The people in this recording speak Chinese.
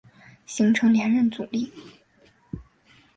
形成连任阻力。